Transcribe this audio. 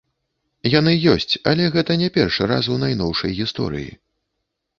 Яны ёсць, але гэта не першы раз у найноўшай гісторыі.